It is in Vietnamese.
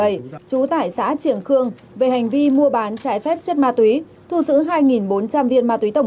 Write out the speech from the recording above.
trú tại xã trường khương về hành vi mua bán trải phép chất ma tuy thu giữ hai bốn trăm linh viên ma tuy tổng